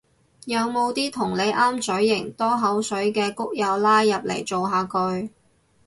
有冇啲同你啱嘴型多口水嘅谷友拉入嚟造下句